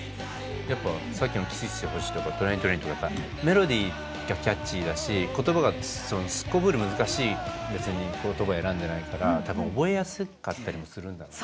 やっぱさっきの「キスしてほしい」とか「ＴＲＡＩＮ−ＴＲＡＩＮ」とかやっぱメロディーがキャッチーだし言葉がすこぶる難しい別に言葉選んでないから多分覚えやすかったりもするんだと思う。